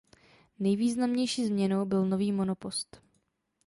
Nejvýznamnější změnou byl nový monopost.